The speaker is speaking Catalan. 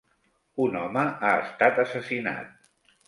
Un home ha estat assassinat.